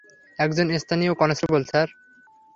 একজন স্থানীয় constable, sir.